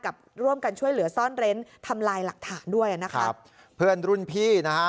ร่วมกันช่วยเหลือซ่อนเร้นทำลายหลักฐานด้วยนะครับครับเพื่อนรุ่นพี่นะฮะ